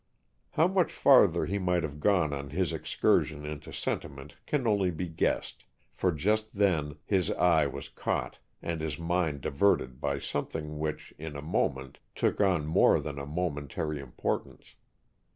How much farther he might have gone on his excursion into sentiment can only be guessed, for just then his eye was caught and his mind diverted by something which, in a moment, took on more than a momentary importance.